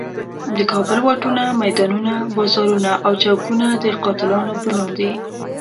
د کابل واټونه، میدانونه، بازارونه او چوکونه د قاتلانو په نوم دي.